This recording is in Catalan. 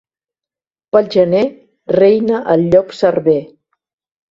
Pel gener reina el llop cerver.